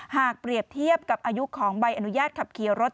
หากเปรียบเทียบกับอายุของใบอนุญาตขับขี่รถ